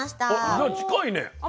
じゃあ近いね私。